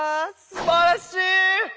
すばらしい！